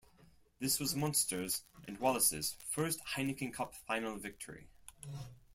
This was Munster's, and Wallace's, first Heineken Cup Final victory.